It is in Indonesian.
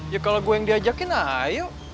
ya kalau gue yang diajakin ah ayo